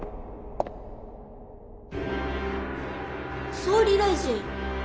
総理大臣！？